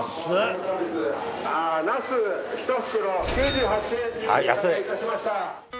ナス１袋９８円に値下げいたしました。